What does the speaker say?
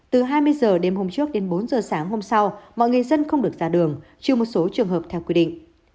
từ hai mươi giờ đêm hôm trước đến bốn giờ sáng hôm sau mọi người dân không được ra đường chứ một số trường hợp theo quy định